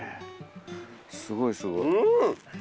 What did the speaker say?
すごいすごい。